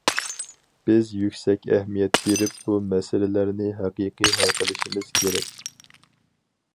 بىز يۈكسەك ئەھمىيەت بېرىپ، بۇ مەسىلىلەرنى ھەقىقىي ھەل قىلىشىمىز كېرەك.